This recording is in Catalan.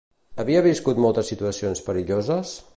Havia viscut moltes situacions perilloses?